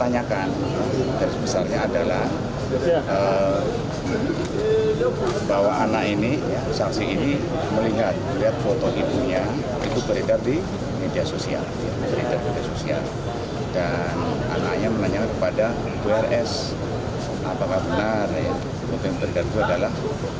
yang tergantung adalah